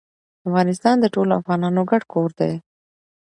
افغانستان د ټولو افغانانو ګډ کور ده.